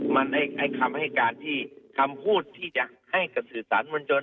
มันให้คำพูดที่จะให้กับสื่อสารมนต์จน